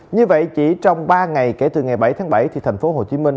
như vậy chỉ trong ngày chín tháng bảy ngành y tế thành phố đã phát hiện thêm một ổ dịch mới phát sinh